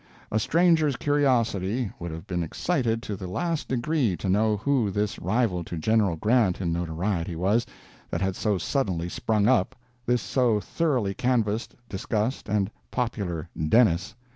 A stranger's curiosity would have been excited to the last degree to know who this rival to General Grant in notoriety was, that had so suddenly sprung up—this so thoroughly canvassed, discussed, and popular "Dennis."